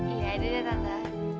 iya dadah tante